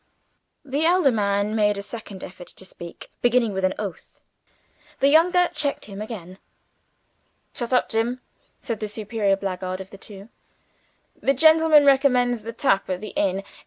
The elder man made a second effort to speak, beginning with an oath. The younger checked him again. "Shut up, Jim!" said the superior blackguard of the two. "The gentleman recommends the tap at the inn.